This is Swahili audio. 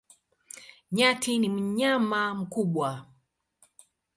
Nyati ni mnyama mkubwa.